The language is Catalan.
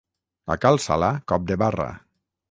A Cal Sala, cop de barra.